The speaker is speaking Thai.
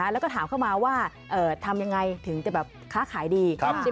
แล้วก็ถามเข้ามาว่าทำยังไงถึงจะแบบค้าขายดี